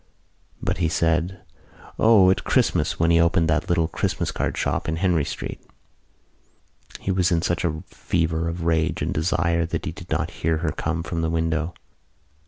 But he said: "O, at Christmas, when he opened that little Christmas card shop in Henry Street." He was in such a fever of rage and desire that he did not hear her come from the window.